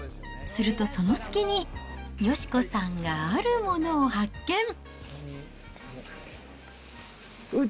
するとその隙に、佳子さんがあるものを発見。